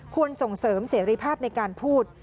ควรส่งเสริมเสร็จรีภาพในการพูด